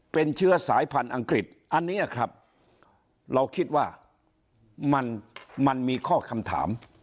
เป็นเชื้อสายพันธุ์อังกฤษอันนี้ครับเราคิดว่ามันมันมีข้อคำถาม